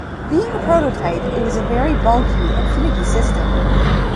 Being a prototype, it was a very bulky and finicky system.